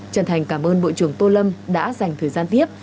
chân thành cảm ơn bộ trưởng tô lâm đã dành thời gian tiếp